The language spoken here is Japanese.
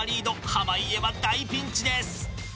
濱家は大ピンチです。